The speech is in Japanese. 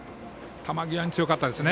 球際に強かったですね。